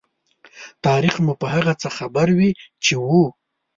تاریخ مو په هغه څه خبروي چې وو.